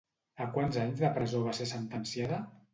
A quants anys de presó va ser sentenciada?